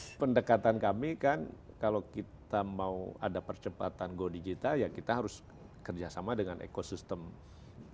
ya pendekatan kami kan kalau kita mau ada percepatan go digital ya kita harus kerjasama dengan ekosistem digital